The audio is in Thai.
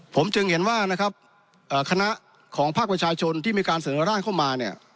ผมจึงเห็นว่านะครับคณะของภาคประชาชนที่มีการเสนอร่างเข้ามาเนี่ย